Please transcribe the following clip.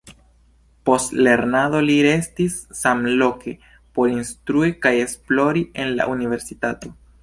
Post lernado li restis samloke por instrui kaj esplori en la universitato.